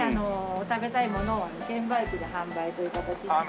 食べたいものを券売機で販売という形になります。